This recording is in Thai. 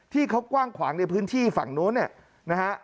ที่เขากว้างขวางในพื้นที่ฝั่งนู้นเนี่ยนะฮะ